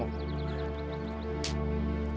perintah lurah pada kalian